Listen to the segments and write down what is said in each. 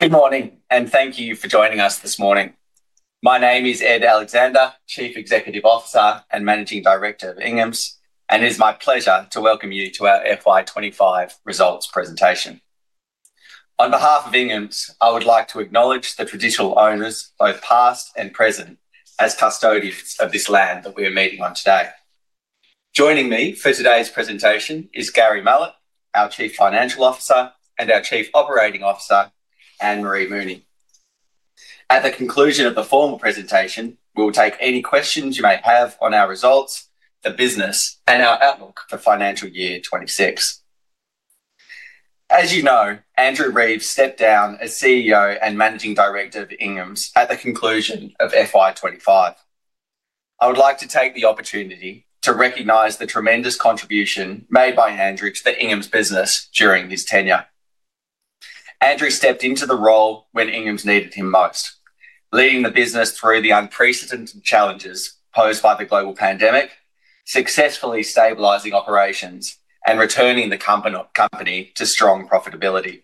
Good morning and thank you for joining us this morning. My name is Ed Alexander, Chief Executive Officer and Managing Director of Inghams, and it is my pleasure to welcome you to our FY 2025 Results presentation. On behalf of Inghams, I would like to acknowledge the traditional owners, both past and present, as custodians of this land that we are meeting on today. Joining me for today's presentation is Gary Mallett, our Chief Financial Officer, and our Chief Operating Officer, Anne-Marie Mooney. At the conclusion of the formal presentation, we will take any questions you may have on our results, the business, and our outlook for financial year 2026. As you know, Andrew Reeves stepped down as CEO and Managing Director of Inghams at the conclusion of FY 2025. I would like to take the opportunity to recognize the tremendous contribution made by Andrew to the Inghams business during his tenure. Andrew stepped into the role when Inghams needed him most, leading the business through the unprecedented challenges posed by the global pandemic, successfully stabilizing operations and returning the company to strong profitability.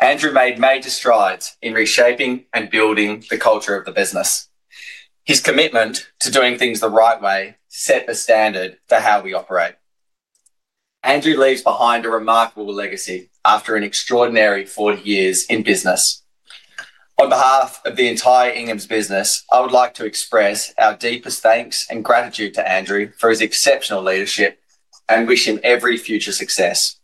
Andrew made major strides in reshaping and building the culture of the business. His commitment to doing things the right way set the standard for how we operate. Andrew leaves behind a remarkable legacy after an extraordinary 40 years in business. On behalf of the entire Inghams business, I would like to express our deepest thanks and gratitude to Andrew for his exceptional leadership and wish him every future success.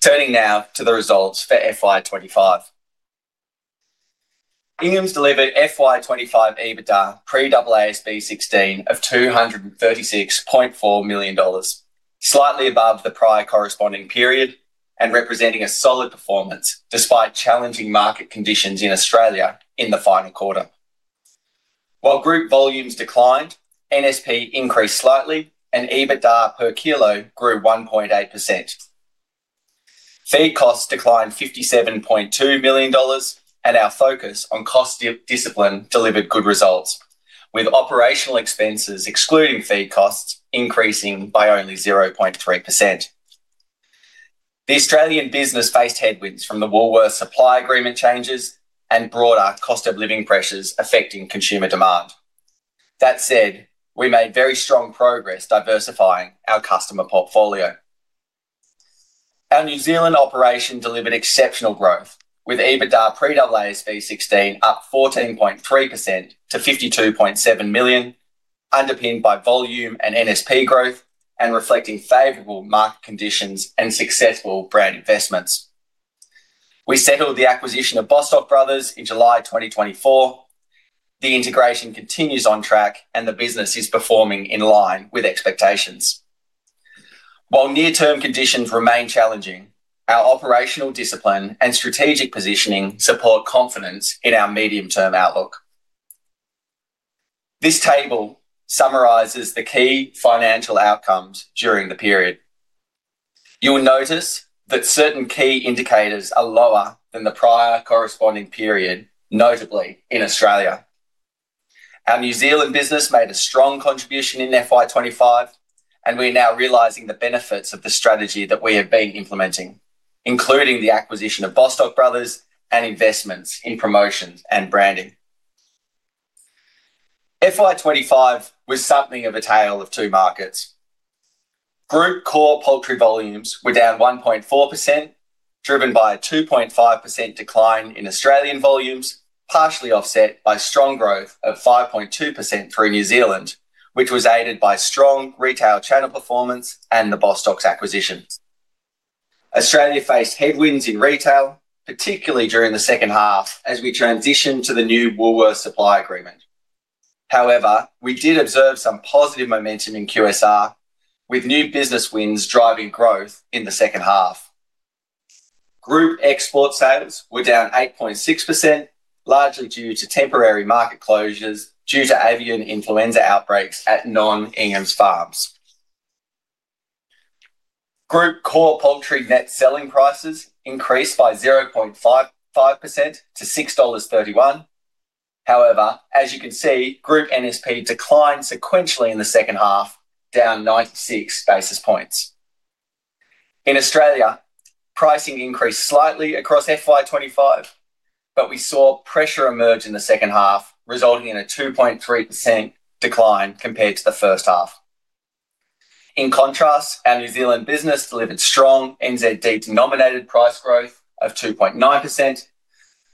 Turning now to the results for FY 2025. Inghams delivered FY 2025 EBITDA pre-AASB 16 of AUD 236.4 million, slightly above the prior corresponding period and representing a solid performance despite challenging market conditions in Australia in the final quarter. While group volumes declined, NSP increased slightly and EBITDA per kilo grew 1.8%. Feed costs declined 57.2 million dollars, and our focus on cost discipline delivered good results, with operational expenses excluding feed costs increasing by only 0.3%. The Australian business faced headwinds from the Woolworths supply agreement changes and broader cost-of-living pressures affecting consumer demand. That said, we made very strong progress diversifying our customer portfolio. Our New Zealand operation delivered exceptional growth, with EBITDA pre-AASB 16 up 14.3% to 52.7 million, underpinned by volume and NSP growth and reflecting favorable market conditions and successful brand investments. We settled the acquisition of Bostock Brothers in July 2024. The integration continues on track, and the business is performing in line with expectations. While near-term conditions remain challenging, our operational discipline and strategic positioning support confidence in our medium-term outlook. This table summarizes the key financial outcomes during the period. You will notice that certain key indicators are lower than the prior corresponding period, notably in Australia. Our New Zealand business made a strong contribution in FY 2025, and we are now realizing the benefits of the strategy that we have been implementing, including the acquisition of Bostock Brothers and investments in promotions and branding. FY 2025 was something of a tale of two markets. Group core poultry volumes were down 1.4%, driven by a 2.5% decline in Australian volumes, partially offset by strong growth of 5.2% through New Zealand, which was aided by strong retail channel performance and the Bostock Brothers acquisition. Australia faced headwinds in retail, particularly during the second half as we transitioned to the new Woolworths supply agreement. However, we did observe some positive momentum in QSR, with new business wins driving growth in the second half. Group export sales were down 8.6%, largely due to temporary market closures due to avian influenza outbreaks at non-Inghams farms. Group core poultry net selling prices increased by 0.55% to $6.31. However, as you can see, group NSP declined sequentially in the second half, down 96 basis points. In Australia, pricing increased slightly across FY 2025, but we saw pressure emerge in the second half, resulting in a 2.3% decline compared to the first half. In contrast, our New Zealand business delivered strong NZD denominated price growth of 2.9%.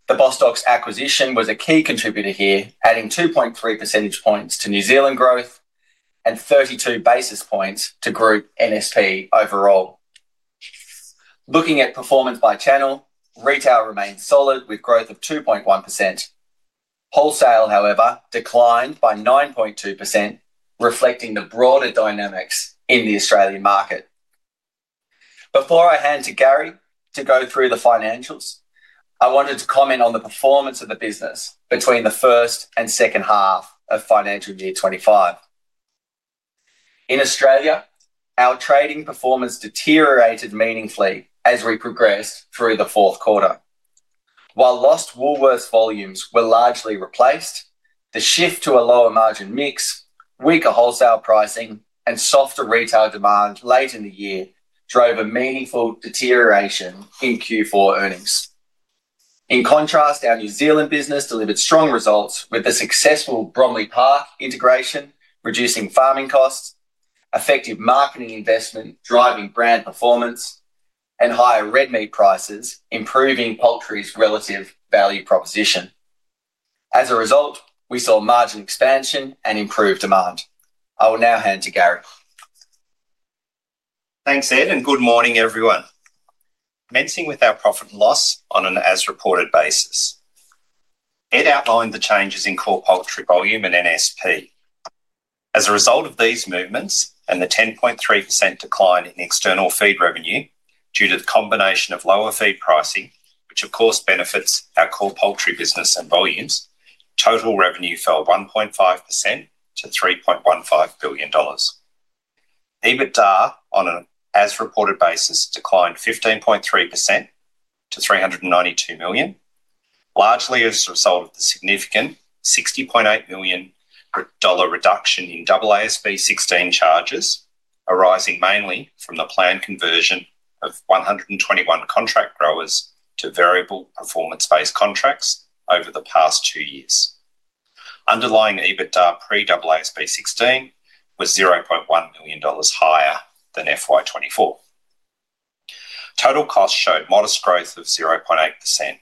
The Bostock Brothers acquisition was a key contributor here, adding 2.3 percentage points to New Zealand growth and 32 basis points to group NSP overall. Looking at performance by channel, retail remained solid with growth of 2.1%. Wholesale, however, declined by 9.2%, reflecting the broader dynamics in the Australian market. Before I hand to Gary to go through the financials, I wanted to comment on the performance of the business between the first and second half of financial year 2025. In Australia, our trading performance deteriorated meaningfully as we progressed through the fourth quarter. While lost Woolworths volumes were largely replaced, the shift to a lower margin mix, weaker wholesale pricing, and softer retail demand late in the year drove a meaningful deterioration in Q4 earnings. In contrast, our New Zealand business delivered strong results with the successful Bromley Park integration, reducing farming costs, effective marketing investment driving brand performance, and higher red meat prices improving poultry's relative value proposition. As a result, we saw margin expansion and improved demand. I will now hand to Gary. Thanks, Ed, and good morning everyone. Commencing with our profit and loss on an as-reported basis. Ed outlined the changes in core poultry volume and NSP. As a result of these movements and the 10.3% decline in the external feed revenue due to the combination of lower feed pricing, which of course benefits our core poultry business and volumes, total revenue fell 1.5% to AUD 3.15 billion. EBITDA on an as-reported basis declined 15.3% to AUD 392 million, largely as a result of the significant AUD 60.8 million reduction in AASB 16 charges, arising mainly from the planned conversion of 121 contract growers to variable performance-based contracts over the past two years. Underlying EBITDA pre-AASB 16 was AUD 0.1 million higher than FY 2024. Total costs showed modest growth of 0.8%.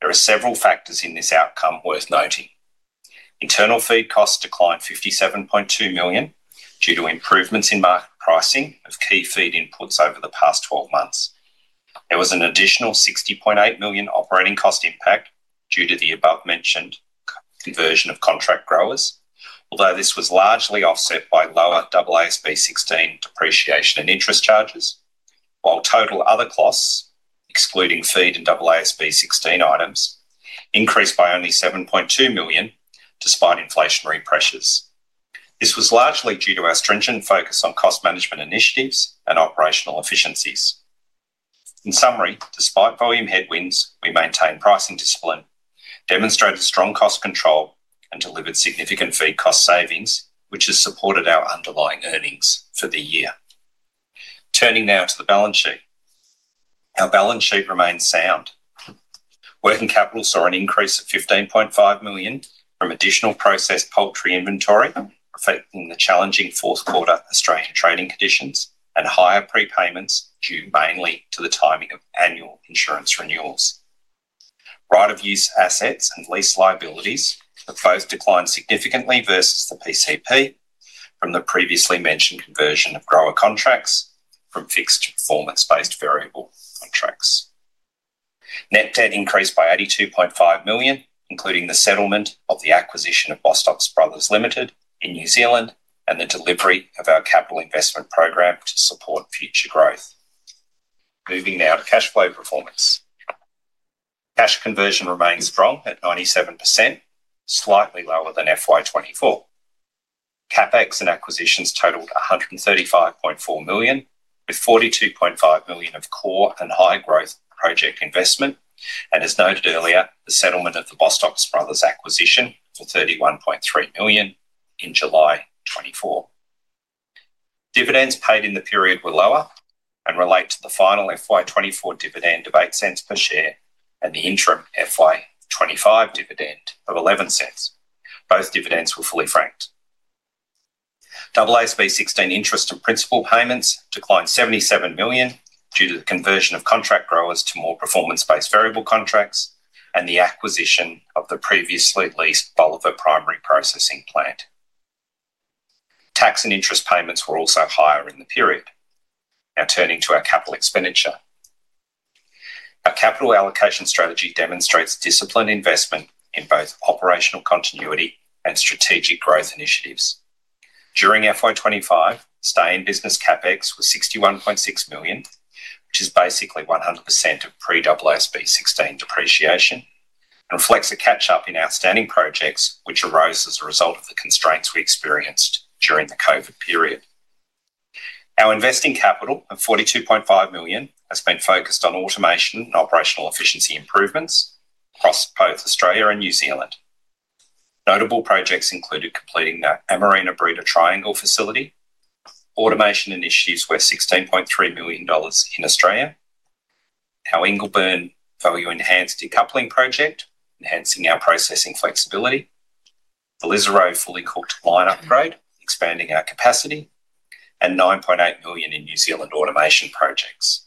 There are several factors in this outcome worth noting. Internal feed costs declined 57.2 million due to improvements in market pricing of key feed inputs over the past 12 months. There was an additional 60.8 million operating cost impact due to the above-mentioned conversion of contract growers, although this was largely offset by lower AASB 16 depreciation and interest charges, while total other costs, excluding feed and AASB 16 items, increased by only 7.2 million despite inflationary pressures. This was largely due to our stringent focus on cost management initiatives and operational efficiencies. In summary, despite volume headwinds, we maintained pricing discipline, demonstrated strong cost control, and delivered significant feed cost savings, which has supported our underlying earnings for the year. Turning now to the balance sheet. Our balance sheet remains sound. Working capital saw an increase of 15.5 million from additional processed poultry inventory affecting the challenging fourth quarter Australian trading conditions and higher prepayments due mainly to the timing of annual insurance renewals. Right of use assets and lease liabilities have both declined significantly versus the PCP from the previously mentioned conversion of grower contracts from fixed to performance-based variable contracts. Net debt increased by 82.5 million, including the settlement of the acquisition of Bostock Brothers in New Zealand and the delivery of our capital investment program to support future growth. Moving now to cash flow performance. Cash conversion remains strong at 97%, slightly lower than FY 2024. CapEx and acquisitions totaled 135.4 million, with 42.5 million of core and high-growth project investment, and as noted earlier, the settlement of the Bostock Brothers acquisition for 31.3 million in July 2024. Dividends paid in the period were lower and relate to the final FY 2024 dividend of 0.08 per share and the interim FY 2025 dividend of 0.11. Both dividends were fully franked. AASB 16 interest and principal payments declined 77 million due to the conversion of contract growers to more performance-based variable contracts and the acquisition of the previously leased Bolivar primary processing plant. Tax and interest payments were also higher in the period. Now turning to our capital expenditure. Our capital allocation strategy demonstrates disciplined investment in both operational continuity and strategic growth initiatives. During FY 2025, staying business CapEx was 61.6 million, which is basically 100% of pre-AASB 16 depreciation, and reflects a catch-up in outstanding projects which arose as a result of the constraints we experienced during the COVID period. Our investing capital of 42.5 million has been focused on automation and operational efficiency improvements across both Australia and New Zealand. Notable projects included completing our Amarina Breeder Triangle facility. Automation initiatives were 16.3 million dollars in Australia. Our Inglebern value-enhanced decoupling project, enhancing our processing flexibility. The Lisaro fully cooked line upgrade, expanding our capacity, and 9.8 million in New Zealand automation projects.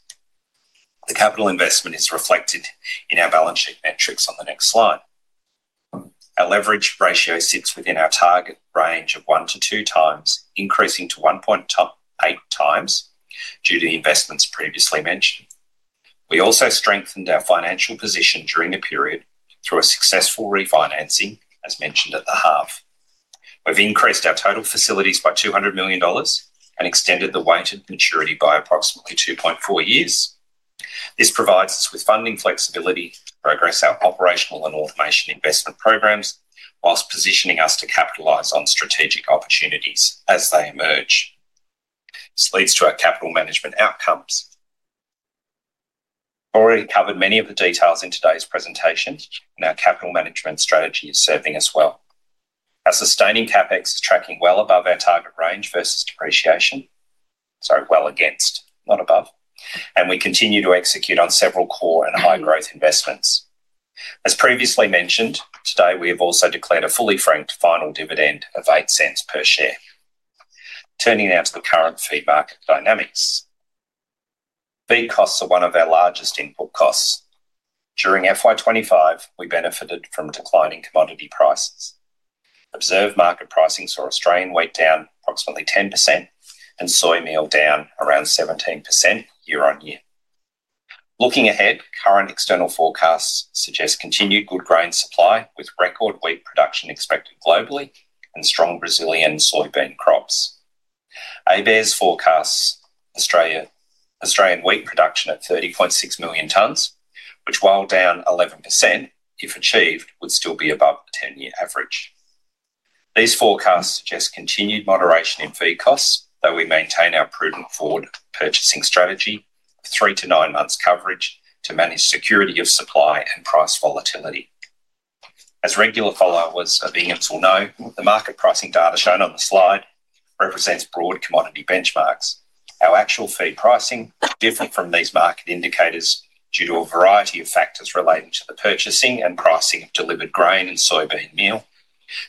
The capital investment is reflected in our balance sheet metrics on the next slide. Our leverage ratio sits within our target range of one to two times, increasing to 1.8 times due to the investments previously mentioned. We also strengthened our financial position during the period through a successful refinancing, as mentioned at the half. We've increased our total facilities by 200 million dollars and extended the weighted maturity by approximately 2.4 years. This provides us with funding flexibility to progress our operational and automation investment programs whilst positioning us to capitalize on strategic opportunities as they emerge. This leads to our capital management outcomes. We already covered many of the details in today's presentation, and our capital management strategy is serving us well. Our sustaining CapEx is tracking well against our target range versus depreciation, sorry, well against, not above, and we continue to execute on several core and high-growth investments. As previously mentioned, today we have also declared a fully franked final dividend of 0.08 per share. Turning now to the current feed market dynamics. Feed costs are one of our largest input costs. During FY 2025, we benefited from declining commodity prices. Observed market pricing saw Australian wheat down approximately 10% and soy meal down around 17% year on year. Looking ahead, current external forecasts suggest continued good grain supply with record wheat production expected globally and strong Brazilian and soybean crops. ABAR-ERES forecasts Australian wheat production at 30.6 million tonnes, which while down 11%, if achieved, would still be above the 10-year average. These forecasts suggest continued moderation in feed costs, though we maintain our proven forward purchasing strategy with three to nine months' coverage to manage security of supply and price volatility. As regular followers of Inghams will know, the market pricing data shown on the slide represents broad commodity benchmarks. Our actual feed pricing differed from these market indicators due to a variety of factors relating to the purchasing and pricing of delivered grain and soybean meal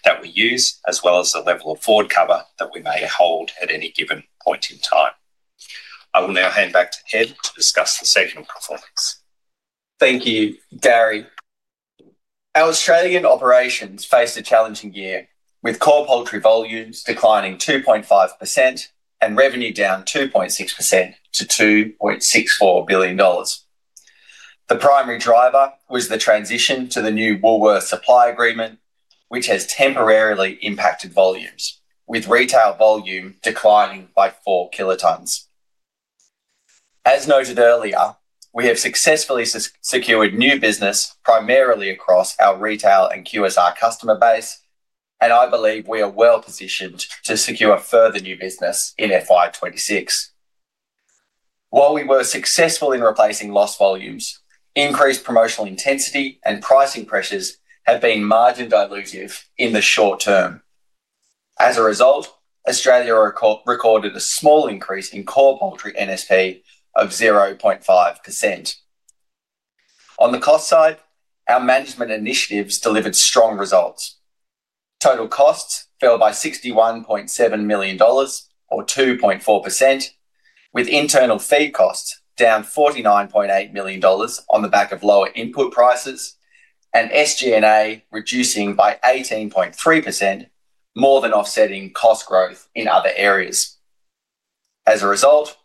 that we use, as well as the level of forward cover that we may hold at any given point in time. I will now hand back to Ed to discuss the segment performance. Thank you, Gary. Our Australian operations faced a challenging year with core poultry volumes declining 2.5% and revenue down 2.6% to 2.64 billion dollars. The primary driver was the transition to the new Woolworths supply agreement, which has temporarily impacted volumes, with retail volume declining by four kilotonnes. As noted earlier, we have successfully secured new business primarily across our retail and QSR customer base, and I believe we are well positioned to secure further new business in FY 2026. While we were successful in replacing loss volumes, increased promotional intensity and pricing pressures have been margin dilutive in the short term. As a result, Australia recorded a small increase in core poultry NSP of 0.5%. On the cost side, our management initiatives delivered strong results. Total costs fell by 61.7 million dollars, or 2.4%, with internal feed costs down $49.8 million on the back of lower input prices and SG&A reducing by 18.3%, more than offsetting cost growth in other areas. As a result,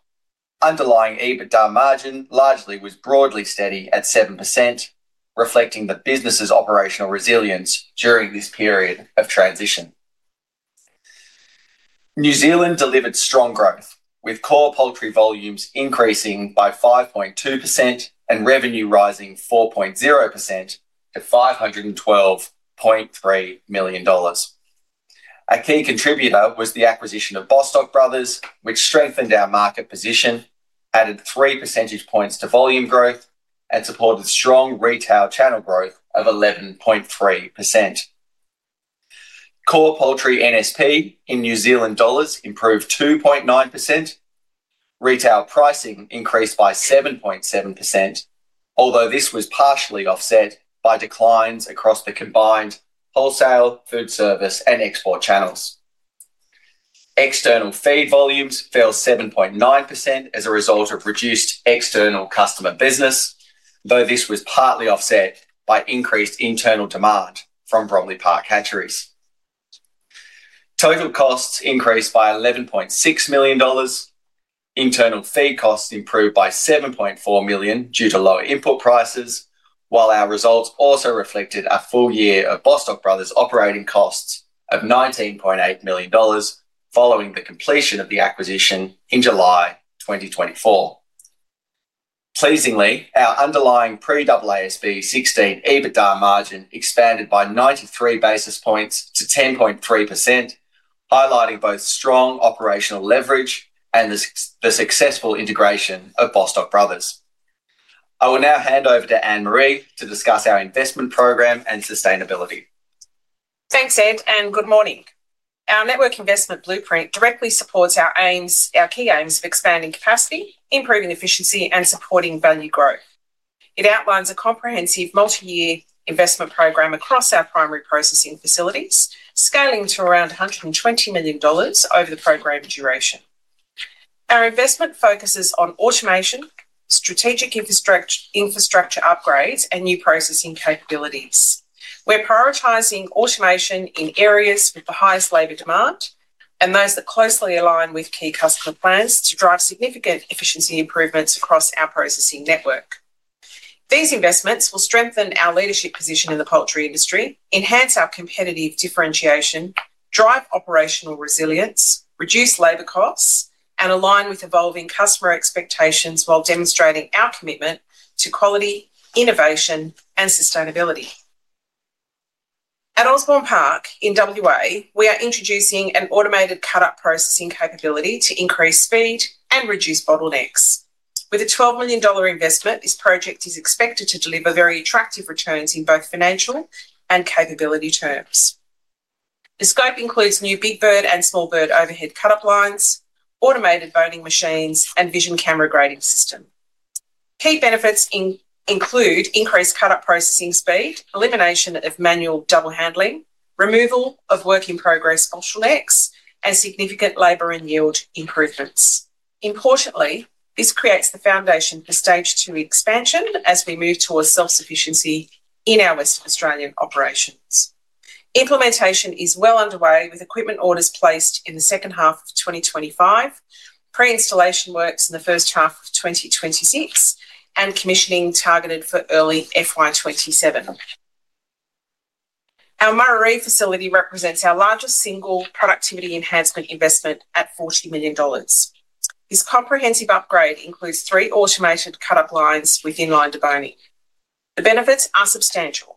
underlying EBITDA margin was broadly steady at 7%, reflecting the business's operational resilience during this period of transition. New Zealand delivered strong growth, with core poultry volumes increasing by 5.2% and revenue rising 4.0% at 512.3 million dollars. A key contributor was the acquisition of Bostock Brothers, which strengthened our market position, added three percentage points to volume growth, and supported strong retail channel growth of 11.3%. Core poultry NSP in New Zealand dollars improved 2.9%. Retail pricing increased by 7.7%, although this was partially offset by declines across the combined wholesale, food service, and export channels. External feed volumes fell 7.9% as a result of reduced external customer business, though this was partly offset by increased internal demand from Bromley Park Hatcheries. Total costs increased by 11.6 million dollars. Internal feed costs improved by 7.4 million due to lower input prices, while our results also reflected a full year of Bostock Brothers operating costs of 19.8 million dollars following the completion of the acquisition in July 2024. Pleasingly, our underlying pre-AASB 16 EBITDA margin expanded by 93 basis points to 10.3%, highlighting both strong operational leverage and the successful integration of Bostock Brothers. I will now hand over to Anne-Marie to discuss our investment program and sustainability. Thanks, Ed, and good morning. Our network investment blueprint directly supports our key aims of expanding capacity, improving efficiency, and supporting value growth. It outlines a comprehensive multi-year investment program across our primary processing facilities, scaling to around 120 million dollars over the program duration. Our investment focuses on automation, strategic infrastructure upgrades, and new processing capabilities. We're prioritizing automation in areas with the highest labor demand and those that closely align with key customer plans to drive significant efficiency improvements across our processing network. These investments will strengthen our leadership position in the poultry industry, enhance our competitive differentiation, drive operational resilience, reduce labor costs, and align with evolving customer expectations while demonstrating our commitment to quality, innovation, and sustainability. At Osborne Park in WA, we are introducing an automated cut-up processing capability to increase speed and reduce bottlenecks. With a $12 million investment, this project is expected to deliver very attractive returns in both financial and capability terms. The scope includes new big bird and small bird overhead cut-up lines, automated boning machines, and vision camera grading systems. Key benefits include increased cut-up processing speed, elimination of manual double handling, removal of work-in-progress bottlenecks, and significant labor and yield improvements. Importantly, this creates the foundation for stage two expansion as we move towards self-sufficiency in our Western Australian operations. Implementation is well underway with equipment orders placed in the second half of 2025, pre-installation works in the first half of 2026, and commissioning targeted for early FY 2027. Our Murarrie facility represents our largest single productivity enhancement investment at 40 million dollars. This comprehensive upgrade includes three automated cut-up lines with inline deboning. The benefits are substantial,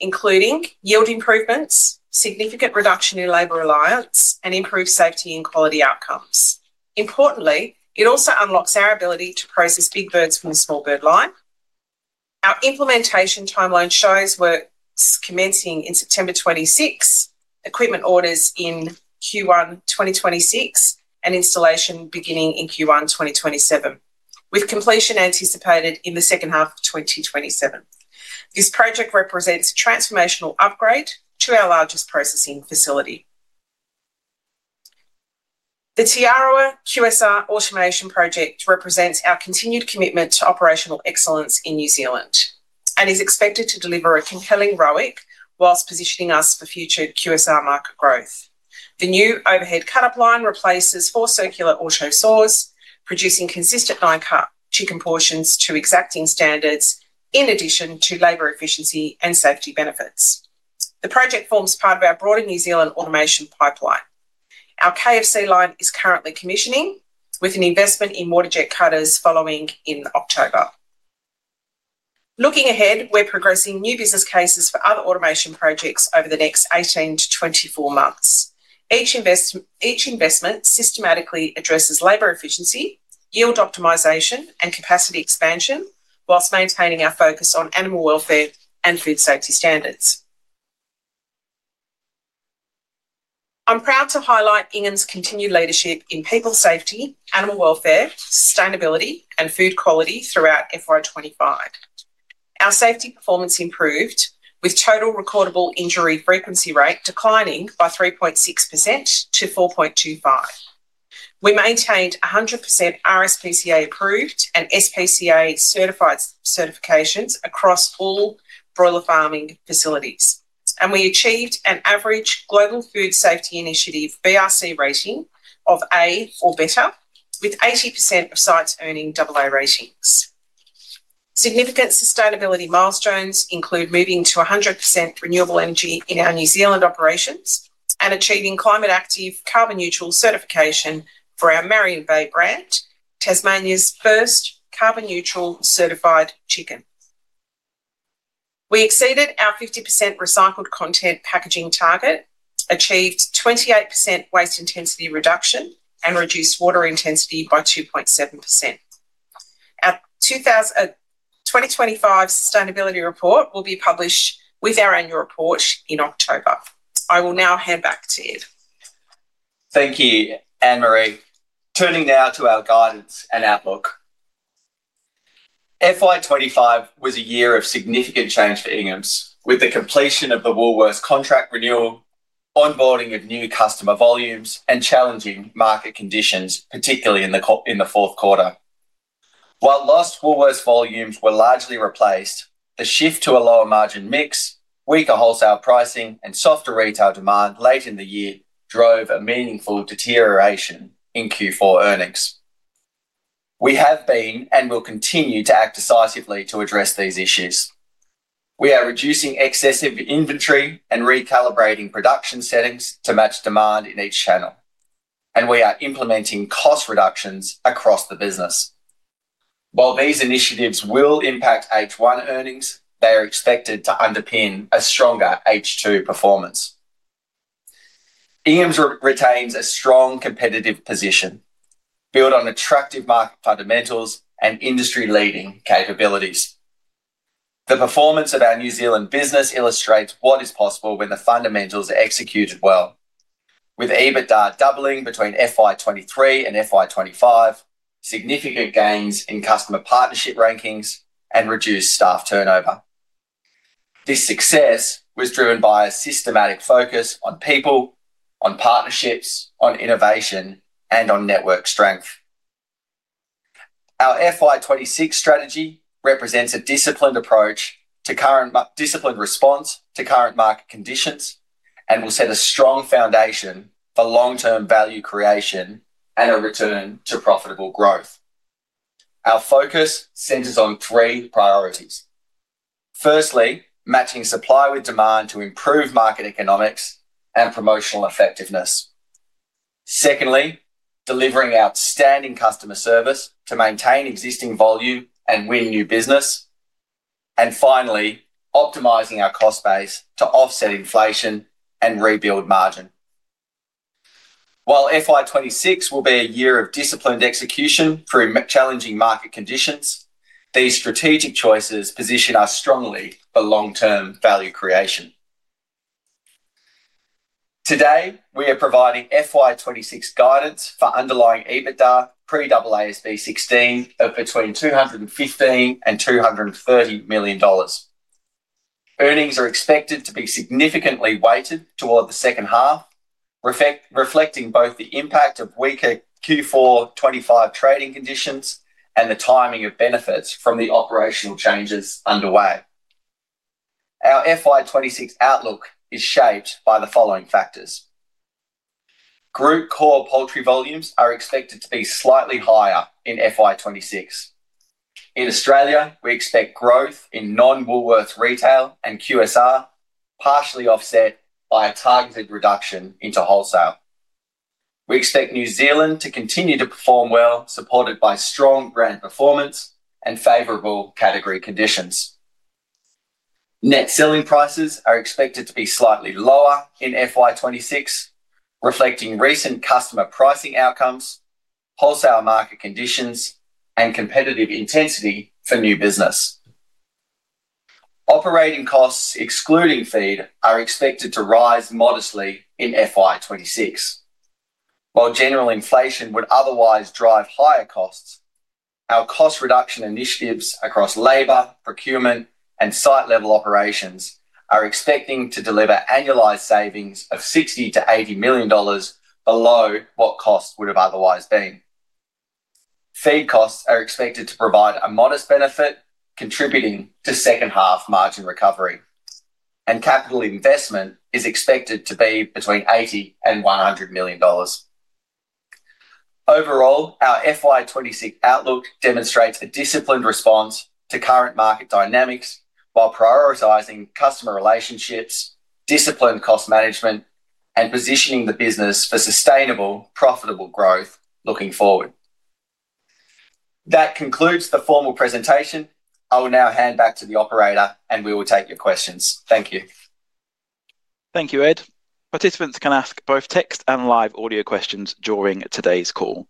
including yield improvements, significant reduction in labor reliance, and improved safety and quality outcomes. Importantly, it also unlocks our ability to process big birds from the small bird line. Our implementation timeline shows work commencing in September 2026, equipment orders in Q1 2026, and installation beginning in Q1 2027, with completion anticipated in the second half of 2027. This project represents a transformational upgrade to our largest processing facility. The Te Aroha QSR automation project represents our continued commitment to operational excellence in New Zealand and is expected to deliver a compelling ROIC whilst positioning us for future QSR market growth. The new overhead cut-up line replaces four circular auto saws, producing consistent nine-cut chicken portions to exacting standards, in addition to labor efficiency and safety benefits. The project forms part of our broader New Zealand automation pipeline. Our KFC line is currently commissioning, with an investment in mortar jet cutters following in October. Looking ahead, we're progressing new business cases for other automation projects over the next 18-24 months. Each investment systematically addresses labor efficiency, yield optimization, and capacity expansion, whilst maintaining our focus on animal welfare and food safety standards. I'm proud to highlight Inghams' continued leadership in people safety, animal welfare, sustainability, and food quality throughout FY 2025. Our safety performance improved, with total recordable injury frequency rate declining by 3.6% to 4.25%. We maintained 100% RSPCA approved and SPCA certified certifications across all broiler farming facilities, and we achieved an average Global Food Safety Initiative (BRC) rating of A or better, with 80% of sites earning AA ratings. Significant sustainability milestones include moving to 100% renewable energy in our New Zealand operations and achieving climate-active, carbon-neutral certification for our Marion Bay brand, Tasmania's first carbon-neutral certified chicken. We exceeded our 50% recycled content packaging target, achieved 28% waste intensity reduction, and reduced water intensity by 2.7%. Our 2025 sustainability report will be published with our annual report in October. I will now hand back to Ed. Thank you, Anne-Marie. Turning now to our guidance and outlook. FY 2025 was a year of significant change for Inghams, with the completion of the Woolworths contract renewal, onboarding of new customer volumes, and challenging market conditions, particularly in the fourth quarter. While lost Woolworths volumes were largely replaced, the shift to a lower margin mix, weaker wholesale pricing, and softer retail demand late in the year drove a meaningful deterioration in Q4 earnings. We have been and will continue to act decisively to address these issues. We are reducing excessive inventory and recalibrating production settings to match demand in each channel, and we are implementing cost reductions across the business. While these initiatives will impact H1 earnings, they are expected to underpin a stronger H2 performance. Inghams Group retains a strong competitive position, built on attractive market fundamentals and industry-leading capabilities. The performance of our New Zealand business illustrates what is possible when the fundamentals are executed well, with EBITDA doubling between FY 2023 and FY 2025, significant gains in customer partnership rankings, and reduced staff turnover. This success was driven by a systematic focus on people, on partnerships, on innovation, and on network strength. Our FY 2026 strategy represents a disciplined response to current market conditions and will set a strong foundation for long-term value creation and a return to profitable growth. Our focus centers on three priorities. Firstly, matching supply with demand to improve market economics and promotional effectiveness. Secondly, delivering outstanding customer service to maintain existing volume and win new business. Finally, optimizing our cost base to offset inflation and rebuild margin. While FY 2026 will be a year of disciplined execution through challenging market conditions, these strategic choices position us strongly for long-term value creation. Today, we are providing FY 2026 guidance for underlying EBITDA pre-AASB 16 of between 215 million-AUD $230 million. Earnings are expected to be significantly weighted toward the second half, reflecting both the impact of weaker Q4 2025 trading conditions and the timing of benefits from the operational changes underway. Our FY 2026 outlook is shaped by the following factors. Group core poultry volumes are expected to be slightly higher in FY 2026. In Australia, we expect growth in non-Woolworths retail and QSR, partially offset by a targeted reduction into wholesale. We expect New Zealand to continue to perform well, supported by strong grant performance and favorable category conditions. Net selling prices are expected to be slightly lower in FY 2026, reflecting recent customer pricing outcomes, wholesale market conditions, and competitive intensity for new business. Operating costs, excluding feed, are expected to rise modestly in FY 2026. While general inflation would otherwise drive higher costs, our cost reduction initiatives across labor, procurement, and site-level operations are expected to deliver annualized savings of 60 million-80 million dollars below what costs would have otherwise been. Feed costs are expected to provide a modest benefit, contributing to second half margin recovery, and capital investment is expected to be between 80 million-100 million dollars. Overall, our FY 2026 outlook demonstrates a disciplined response to current market dynamics while prioritizing customer relationships, disciplined cost management, and positioning the business for sustainable, profitable growth looking forward. That concludes the formal presentation. I will now hand back to the operator, and we will take your questions. Thank you. Thank you, Ed. Participants can ask both text and live audio questions during today's call.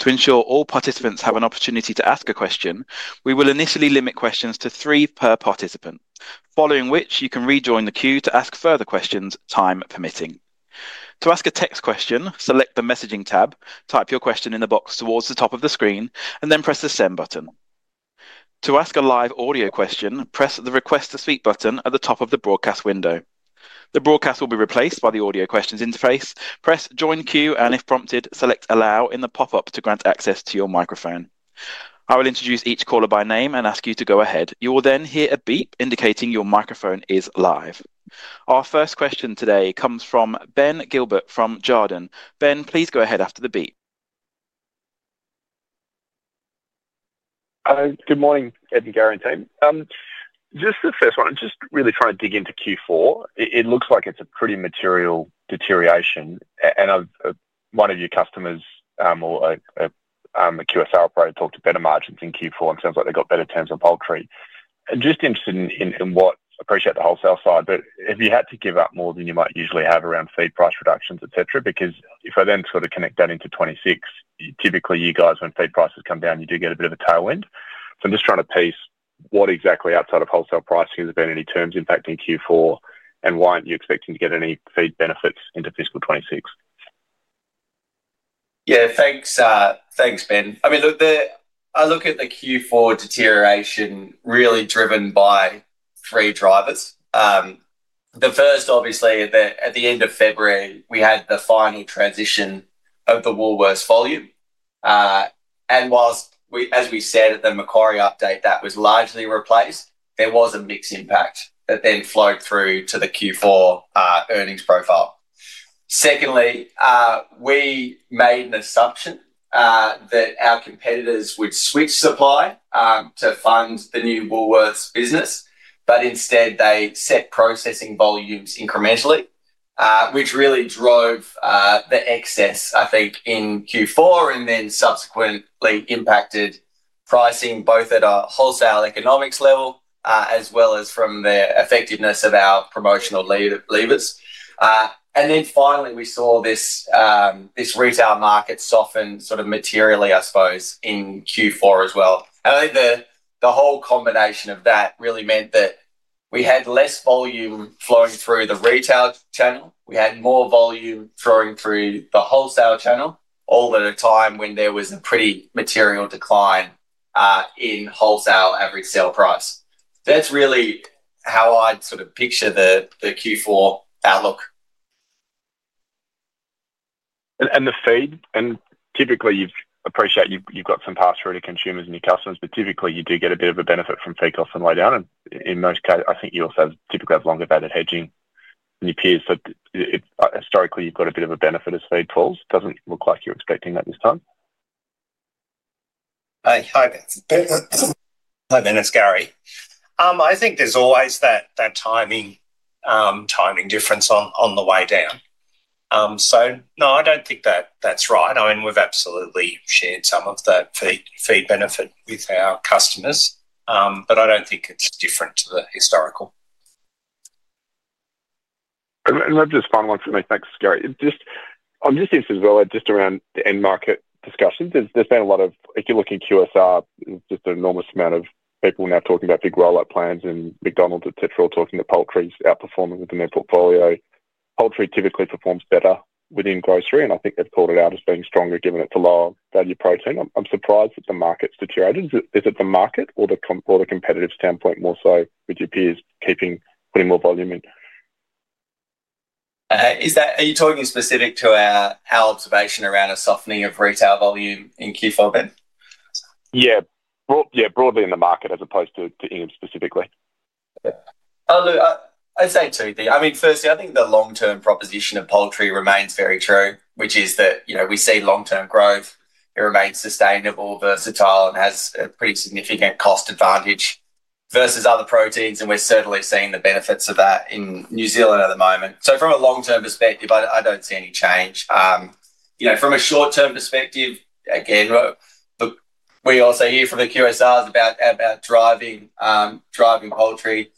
To ensure all participants have an opportunity to ask a question, we will initially limit questions to three per participant, following which you can rejoin the queue to ask further questions, time permitting. To ask a text question, select the messaging tab, type your question in the box towards the top of the screen, and then press the send button. To ask a live audio question, press the request to speak button at the top of the broadcast window. The broadcast will be replaced by the audio questions interface. Press join queue, and if prompted, select allow in the pop-up to grant access to your microphone. I will introduce each caller by name and ask you to go ahead. You will then hear a beep indicating your microphone is live. Our first question today comes from Ben Gilbert from Jarden. Ben, please go ahead after the beep. Good morning, Ed and Gary and team. Just the first one, I'm just really trying to dig into Q4. It looks like it's a pretty material deterioration, and one of your customers, or a QSR operator, talked to better margins in Q4, and it sounds like they've got better terms on poultry. I'm just interested in what I appreciate the wholesale side, but have you had to give up more than you might usually have around feed price reductions, etc.? Because if I then sort of connect that into 2026, typically you guys, when feed prices come down, you do get a bit of a tailwind. I'm just trying to piece what exactly outside of wholesale pricing has been any terms impacting Q4, and why aren't you expecting to get any feed benefits into fiscal 2026? Yeah, thanks, thanks Ben. I look at the Q4 deterioration really driven by three drivers. The first, obviously, at the end of February, we had the final transition of the Woolworths volume. Whilst, as we said at the Macquarie update, that was largely replaced, there was a mixed impact that then flowed through to the Q4 earnings profile. Secondly, we made an assumption that our competitors would switch supply to fund the new Woolworths business, but instead they set processing volumes incrementally, which really drove the excess, I think, in Q4 and then subsequently impacted pricing both at a wholesale economics level as well as from the effectiveness of our promotional levers. Finally, we saw this retail market soften sort of materially, I suppose, in Q4 as well. I think the whole combination of that really meant that we had less volume flowing through the retail channel. We had more volume flowing through the wholesale channel, all at a time when there was a pretty material decline in wholesale average sale price. That's really how I'd sort of picture the Q4 outlook. The feed, and typically you've appreciated you've got some pass-through to consumers and your customers, but typically you do get a bit of a benefit from feed costs and lay down. In most cases, I think you also typically have longer bedded hedging than your peers. Historically, you've got a bit of a benefit as feed falls. Doesn't look like you're expecting that this time. Hi Ben, it's Gary. I think there's always that timing difference on the way down. No, I don't think that that's right. I mean, we've absolutely shared some of that feed benefit with our customers, but I don't think it's different to the historical. I've just finalized for me, thanks Gary. Just on this instance, just around the end market discussions, there's been a lot of, if you're looking at QSR, just an enormous amount of people now talking about big roll-up plans and McDonald's, et cetera, all talking that poultry's outperforming within their portfolio. Poultry typically performs better within grocery, and I think they've called it out as being stronger given its lower value protein. I'm surprised that the market's deteriorated. Is it the market or the competitive standpoint more so with your peers keeping putting more volume in? Are you talking specific to our observation around a softening of retail volume in Q4, Ben? Yeah, broadly in the market as opposed to Inghams specifically. Yeah. I'd say two things. Firstly, I think the long-term proposition of poultry remains very true, which is that we see long-term growth. It remains sustainable, versatile, and has a pretty significant cost advantage versus other proteins, and we're certainly seeing the benefits of that in New Zealand at the moment. From a long-term perspective, I don't see any change. From a short-term perspective, we also hear from the QSRs about driving poultry.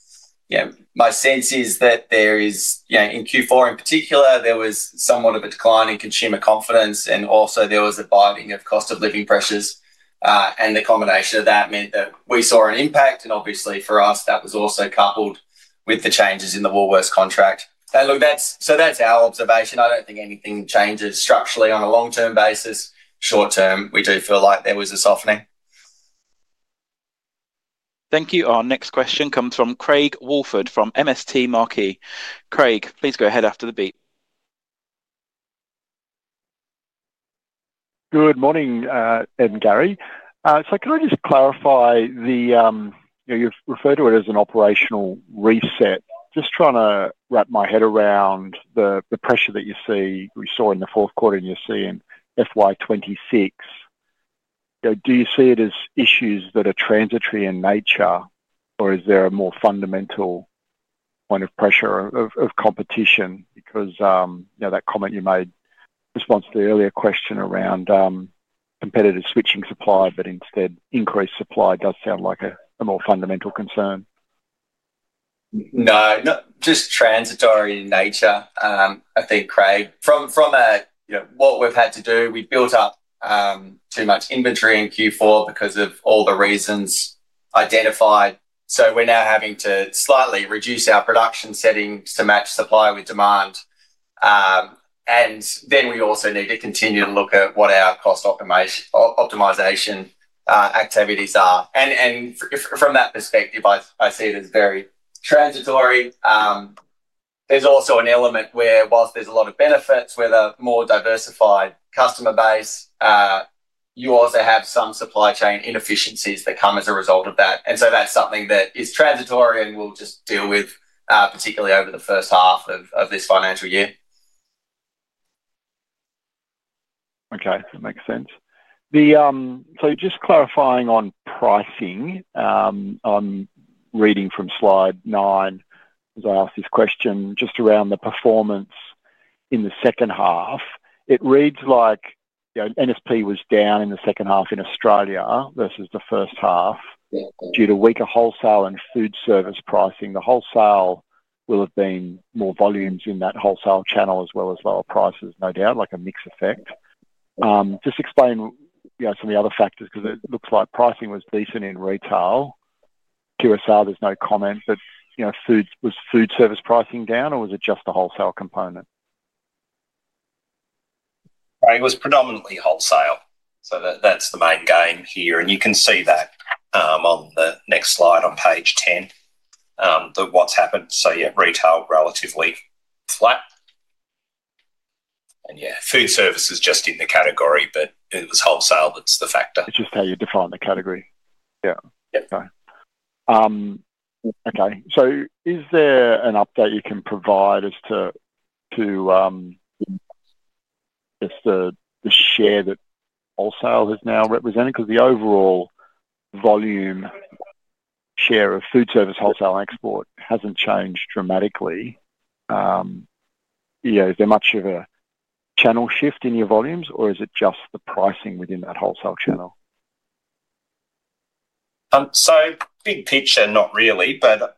My sense is that in Q4 in particular, there was somewhat of a decline in consumer confidence, and also there was a binding of cost-of-living pressures, and the combination of that meant that we saw an impact. Obviously for us, that was also coupled with the changes in the Woolworths contract. That's our observation. I don't think anything changes structurally on a long-term basis. Short-term, we do feel like there was a softening. Thank you. Our next question comes from Craig Woolford from MST Marquee. Craig, please go ahead after the beep. Good morning, Ed and Gary. Can I just clarify, you've referred to it as an operational reset. I'm just trying to wrap my head around the pressure that you see, we saw in the fourth quarter and you're seeing in FY 2026. Do you see it as issues that are transitory in nature, or is there a more fundamental kind of pressure of competition? That comment you made in response to the earlier question around competitors switching supply, but instead increased supply, does sound like a more fundamental concern. No, not just transitory in nature, I think, Craig. From what we've had to do, we built up too much inventory in Q4 because of all the reasons identified. We're now having to slightly reduce our production settings to match supply with demand. We also need to continue to look at what our cost optimization activities are. From that perspective, I see it as very transitory. There's also an element where, whilst there's a lot of benefits with a more diversified customer base, you also have some supply chain inefficiencies that come as a result of that. That's something that is transitory and we'll just deal with, particularly over the first half of this financial year. Okay, that makes sense. Just clarifying on pricing, I'm reading from slide nine as I ask this question just around the performance in the second half. It reads like NSP was down in the second half in Australia versus the first half due to weaker wholesale and food service pricing. The wholesale will have been more volumes in that wholesale channel as well as lower prices, no doubt, like a mix effect. Just explain some of the other factors because it looks like pricing was decent in retail. QSR, there's no comment, but you know, was food service pricing down or was it just the wholesale component? It was predominantly wholesale. That's the main game here. You can see that on the next slide on page 10, what's happened. Retail relatively flat. Food service is just in the category, but it was wholesale that's the factor. It's just how you define the category. Okay. Is there an update you can provide as to just the share that wholesale has now represented? Because the overall volume share of food service wholesale export hasn't changed dramatically. Is there much of a channel shift in your volumes, or is it just the pricing within that wholesale channel? In picture, not really, but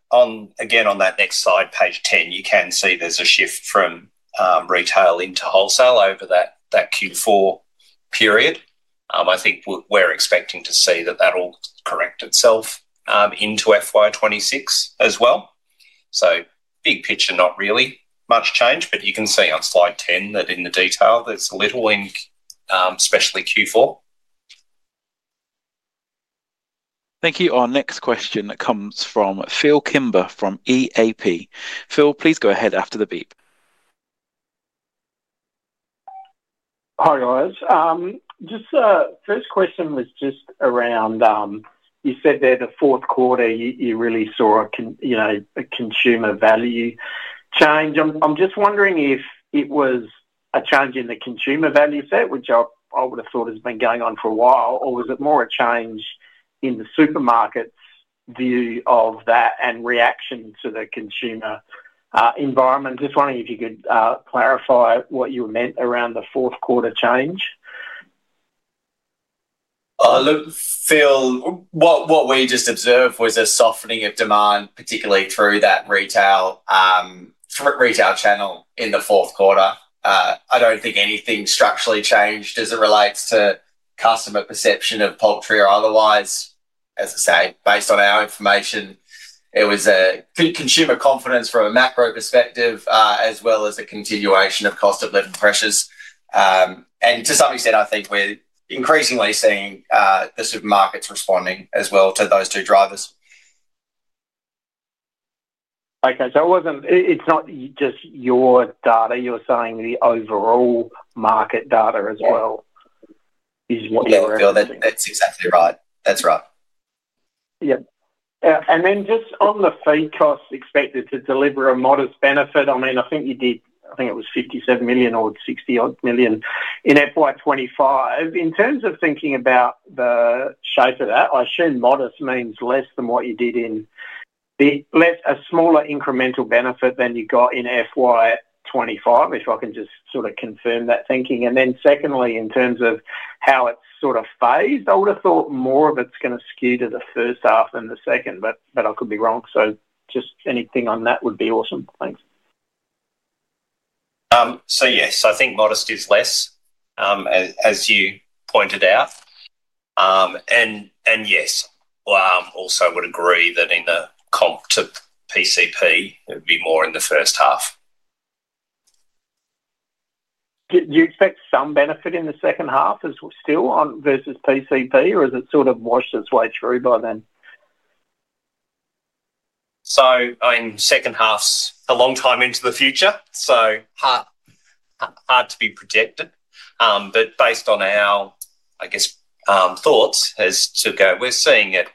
again, on that next slide, page 10, you can see there's a shift from retail into wholesale over that Q4 period. I think we're expecting to see that that'll correct itself into FY 2026 as well. Big picture, not really much change, but you can see on slide 10 that in the detail, there's little in, especially Q4. Thank you. Our next question comes from Phil Kimber from EAP. Phil, please go ahead after the beep. Hi guys. The first question was just around, you said there the fourth quarter you really saw a, you know, a consumer value change. I'm just wondering if it was a change in the consumer value set, which I would have thought has been going on for a while, or was it more a change in the supermarket's view of that and reaction to the consumer environment? Just wondering if you could clarify what you meant around the fourth quarter change. Look, Phil, what we just observed was a softening of demand, particularly through that retail channel in the fourth quarter. I don't think anything structurally changed as it relates to customer perception of poultry or otherwise. As I say, based on our information, it was a consumer confidence from a macro perspective, as well as a continuation of cost-of-living pressures. To some extent, I think we're increasingly seeing the supermarkets responding as well to those two drivers. Okay, it's not just your data, you're saying the overall market data as well is what you're referring to. Yeah, Phil, that's exactly right. That's right. Yeah. Just on the feed cost expected to deliver a modest benefit, I think you did, I think it was 57 million or 68 million in FY 2025. In terms of thinking about the shape of that, I assume modest means less than what you did in, a smaller incremental benefit than you got in FY 2025, if I can just sort of confirm that thinking. Secondly, in terms of how it's sort of phased, I would have thought more of it's going to skew to the first half than the second, but I could be wrong. Just anything on that would be awesome. Thanks. Yes, I think modest is less, as you pointed out. Yes, I also would agree that in the comp to PCP, it would be more in the first half. Do you expect some benefit in the second half still on versus PCP, or is it sort of washed its way through by then? Second half's a long time into the future, so hard to be predicted. Based on our, I guess, thoughts as to go, we're seeing it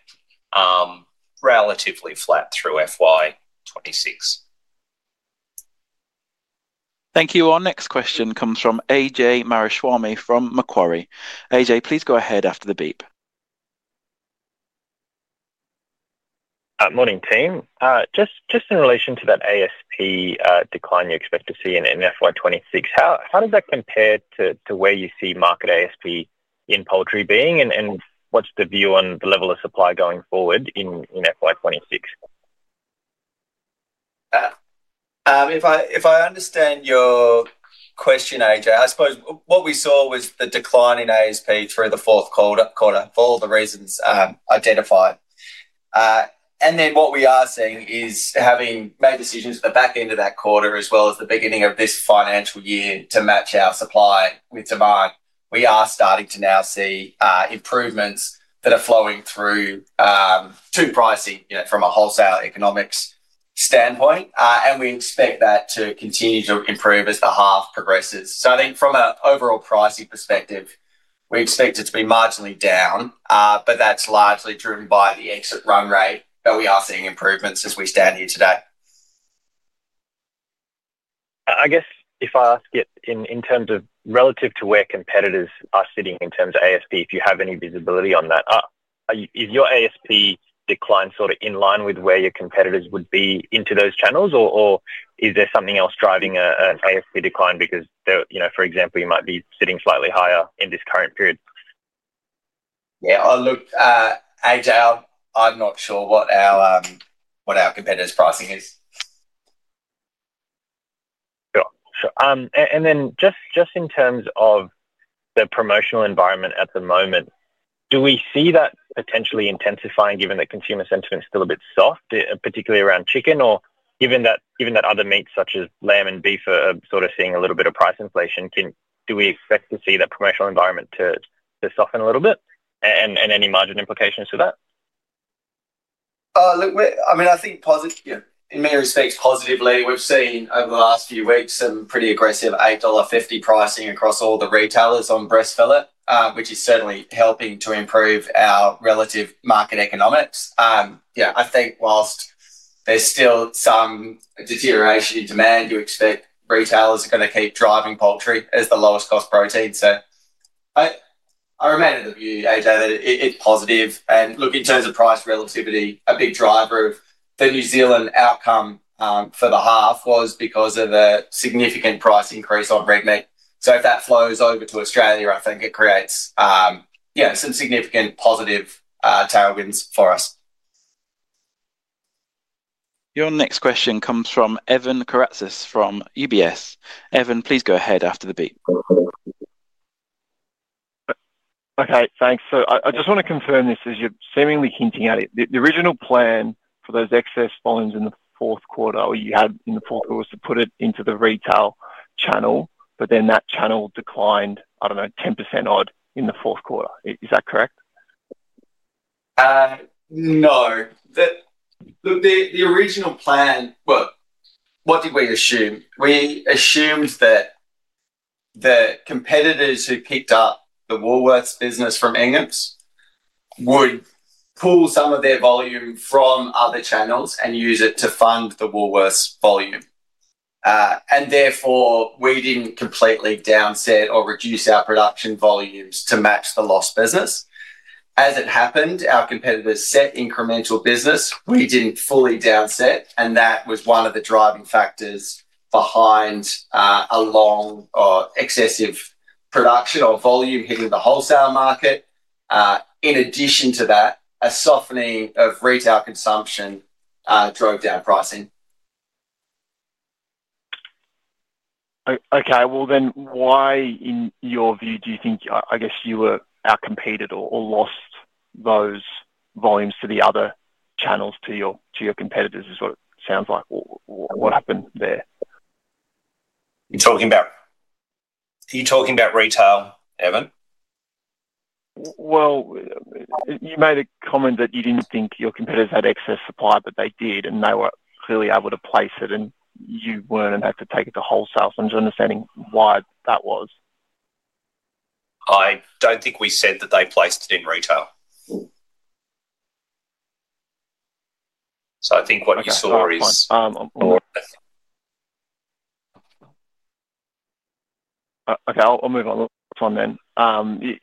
relatively flat through FY 2026. Thank you. Our next question comes from Ajay Mariwamy from Macquarie. AJ, please go ahead after the beep. Morning team. Just in relation to that ASP decline you expect to see in FY 2026, how does that compare to where you see market ASP in poultry being, and what's the view on the level of supply going forward in FY 2026? If I understand your question, Ajay, I suppose what we saw was the decline in ASP through the fourth quarter for all the reasons identified. What we are seeing is having made decisions at the back end of that quarter as well as the beginning of this financial year to match our supply with demand. We are starting to now see improvements that are flowing through to pricing, you know, from a wholesale economics standpoint. We expect that to continue to improve as the half progresses. I think from an overall pricing perspective, we expect it to be marginally down, but that's largely driven by the exit run rate. We are seeing improvements as we stand here today. I guess if I ask it in terms of relative to where competitors are sitting in terms of ASP, if you have any visibility on that, is your ASP decline sort of in line with where your competitors would be into those channels, or is there something else driving an ASP decline because there, for example, you might be sitting slightly higher in this current period? Yeah, look, I'm not sure what our competitors' pricing is. Sure. In terms of the promotional environment at the moment, do we see that potentially intensifying given that consumer sentiment is still a bit soft, particularly around chicken, or given that other meats such as lamb and beef are sort of seeing a little bit of price inflation, do we expect to see that promotional environment to soften a little bit and any margin implications to that? I mean, I think positive, in many respects, positively, we've seen over the last few weeks some pretty aggressive $8.50 pricing across all the retailers on breast fillet, which is certainly helping to improve our relative market economics. I think whilst there's still some deterioration in demand, you expect retailers are going to keep driving poultry as the lowest cost protein. I remain in the view, Ajay, that it's positive. In terms of price relativity, a big driver of the New Zealand outcome for the half was because of the significant price increase on red meat. If that flows over to Australia, I think it creates, you know, some significant positive tailwinds for us. Your next question comes from Evan Karatzas from UBS. Evan, please go ahead after the beep. Okay, thanks. I just want to confirm this as you're seemingly hinting at it. The original plan for those excess volumes in the fourth quarter, or you had in the fourth quarter, was to put it into the retail channel, but then that channel declined, I don't know, 10% odd in the fourth quarter. Is that correct? No. Look, the original plan, what did we assume? We assumed that the competitors who picked up the Woolworths business from Inghams would pull some of their volume from other channels and use it to fund the Woolworths volume. Therefore, we didn't completely downset or reduce our production volumes to match the lost business. As it happened, our competitors set incremental business. We didn't fully downset, and that was one of the driving factors behind a long or excessive production or volume hitting the wholesale market. In addition to that, a softening of retail consumption drove down pricing. Okay, why in your view do you think, I guess you were outcompeted or lost those volumes to the other channels, to your competitors is what it sounds like. What happened there? You're talking about retail, Evan? You made a comment that you didn't think your competitors had excess supply, but they did, and they were clearly able to place it, and you weren't and had to take it to wholesale. I'm just understanding why that was. I don't think we said that they placed it in retail. I think what you saw is. Okay, I'll move on.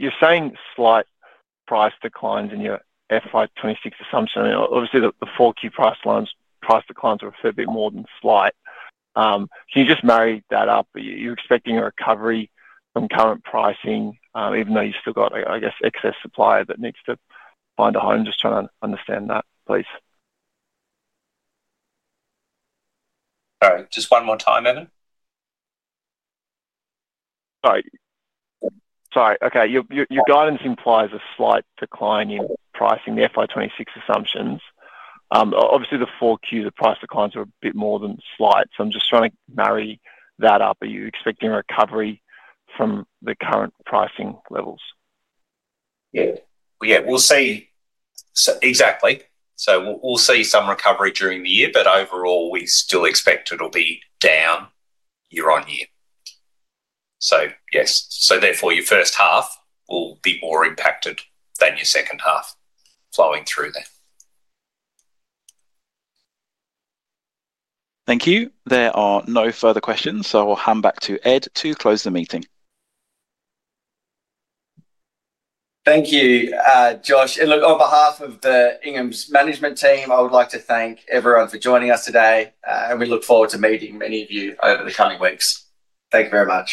You're saying slight price declines in your FY 2026 assumption. Obviously, the four key price lines, price declines are a fair bit more than slight. Can you just marry that up? Are you expecting a recovery from current pricing, even though you've still got, I guess, excess supply that needs to find a home? Just trying to understand that, please. Sorry, just one more time, Evan? Okay. Your guidance implies a slight decline in pricing in the FY 2026 assumptions. Obviously, the four queues, the price declines are a bit more than slight. I'm just trying to marry that up. Are you expecting a recovery from the current pricing levels? Exactly. We'll see some recovery during the year, but overall, we still expect it'll be down year on year. Therefore, your first half will be more impacted than your second half flowing through there. Thank you. There are no further questions, so I will hand back to Ed to close the meeting. Thank you, Josh. On behalf of the Inghams management team, I would like to thank everyone for joining us today, and we look forward to meeting many of you over the coming weeks. Thank you very much.